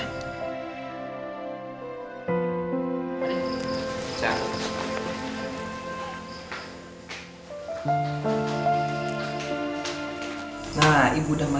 tufa pulang ya